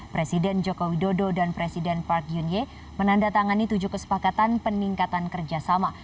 presiden joko widodo dan presiden park yun ye menandatangani tujuh kesepakatan peningkatan kerjasama